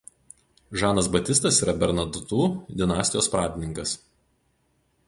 Žanas Batistas yra Bernadotų dinastijos pradininkas.